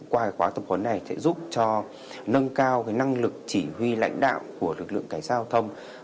qua khóa tập huấn này sẽ giúp cho nâng cao năng lực chỉ huy lãnh đạo của lực lượng cảnh giao thông